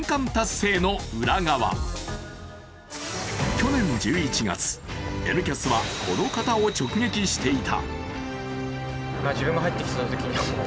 去年１１月、「Ｎキャス」はこの方を直撃していた。